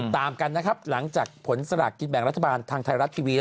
ตามกันนะครับหลังจากผลสลากกินแบ่งรัฐบาลทางไทยรัฐทีวี